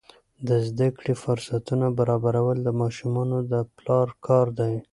د زده کړې فرصتونه برابرول د ماشومانو د پلار کار دی.